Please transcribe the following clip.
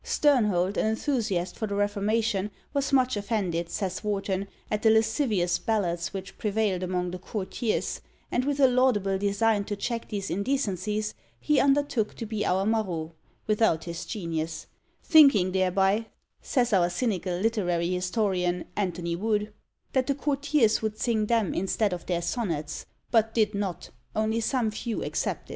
Sternhold, an enthusiast for the Reformation, was much offended, says Warton, at the lascivious ballads which prevailed among the courtiers, and, with a laudable design to check these indecencies, he undertook to be our Marot without his genius: "thinking thereby," says our cynical literary historian, Antony Wood, "that the courtiers would sing them instead of their sonnets, but did not, only some few excepted."